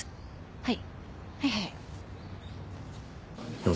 はい！